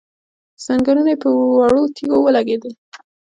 ځنګنونه يې پر وړو تيږو ولګېدل،